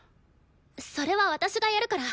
それは私がやるから。